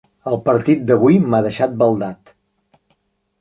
El partit d'avui m'ha deixat baldat.